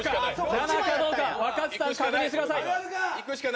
７かどうか、若槻さん、確認してください。